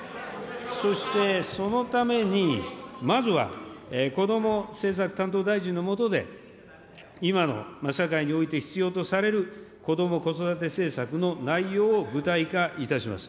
そしてそのために、まずはこども政策担当大臣の下で、今の社会において必要とされる、こども・子育て政策の内容を具体化いたします。